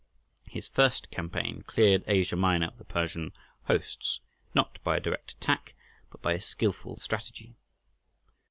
His first campaign cleared Asia Minor of the Persian hosts, not by a direct attack, but by skilful strategy.